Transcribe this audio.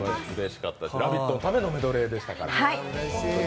「ラヴィット！」のためのメドレーでしたから。